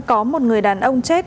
có một người đàn ông chết